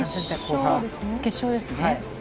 決勝ですね。